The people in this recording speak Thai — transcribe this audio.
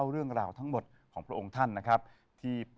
ด้วยความรักด้วยพักดี